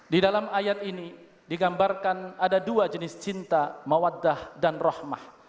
di dalam ayat ini digambarkan ada dua jenis cinta mawaddah dan rohmah